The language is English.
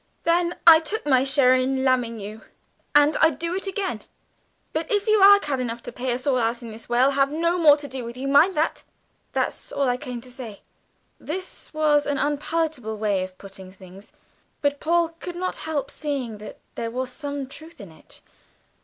Then I took my share in lamming you, and I'd do it again. But if you are cad enough to pay us all out in this way, I'll have no more to do with you mind that. That's all I came to say." This was an unpalatable way of putting things, but Paul could not help seeing that there was some truth in it.